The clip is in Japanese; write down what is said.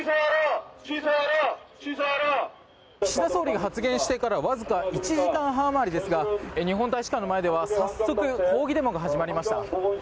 岸田総理が発言してからわずか１時間半あまりですが日本大使館の前では早速、抗議デモが始まりました。